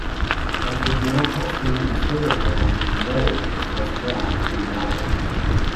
As with metal casting and stereotyping, a mold is first formed from the model.